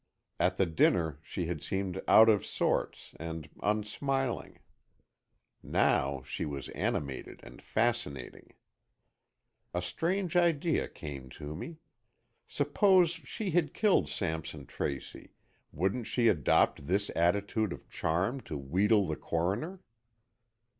At the dinner she had seemed out of sorts, and unsmiling. Now, she was animated and fascinating. A strange idea came to me. Suppose she had killed Sampson Tracy, wouldn't she adopt this attitude of charm to wheedle the Coroner?